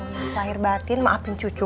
mau nyair batin maafin cucu